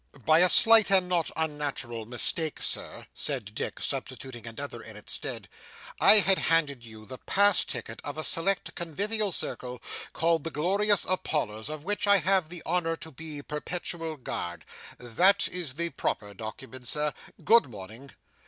'By a slight and not unnatural mistake, sir,' said Dick, substituting another in its stead, 'I had handed you the pass ticket of a select convivial circle called the Glorious Apollers of which I have the honour to be Perpetual Grand. That is the proper document, Sir. Good morning.